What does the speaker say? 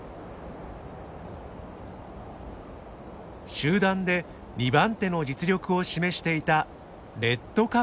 集団で２番手の実力を示していたレッドカップです。